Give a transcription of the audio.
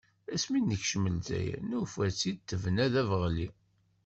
Ass mi d-nekcem lezzayer, nufa-tt-id tebna d abeɣli.